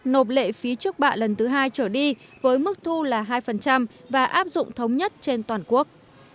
nộp lệ phí trước bạ lần thứ hai trở đi với mức thu là hai và áp dụng thống nhất trên toàn quốc